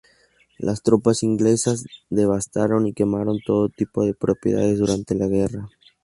Las tropas inglesas devastaron y quemaron todo tipo de propiedades durante la guerra.